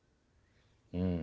うん。